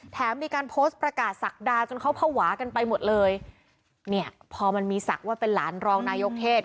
มีการโพสต์ประกาศศักดาจนเขาภาวะกันไปหมดเลยเนี่ยพอมันมีศักดิ์ว่าเป็นหลานรองนายกเทศ